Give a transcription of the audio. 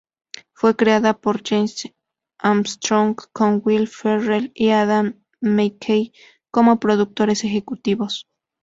Fue creada por Jesse Armstrong, con Will Ferrell y Adam McKay como productores ejecutivos.